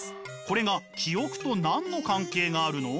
これが記憶と何の関係があるの？